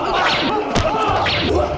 bikin kalian semua